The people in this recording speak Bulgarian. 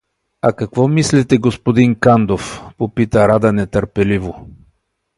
— А какво мислите, господин Кандов? — попита Рада нетърпеливо.